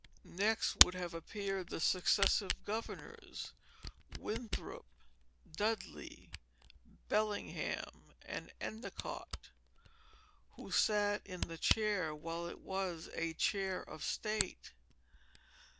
Next would have appeared the successive governors, Winthrop, Dudley, Bellingham, and Endicott, who sat in the chair, while it was a Chair of State.